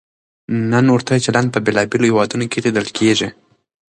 نن ورته چلند په بېلابېلو هېوادونو کې لیدل کېږي.